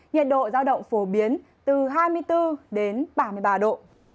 nhiệt độ giao động phổ biến từ hai mươi bốn đến ba mươi ba độ